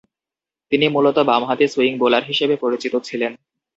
তিনি মূলতঃ বামহাতি সুইং বোলার হিসেবে পরিচিত ছিলেন।